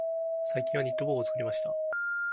最近はニット帽を作りました。